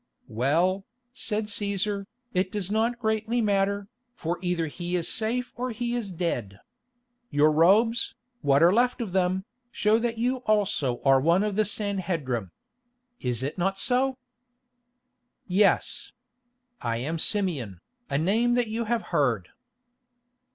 "Well," said Cæsar, "it does not greatly matter, for either he is safe or he is dead. Your robes, what are left of them, show that you also are one of the Sanhedrim. Is it not so?" "Yes. I am Simeon, a name that you have heard."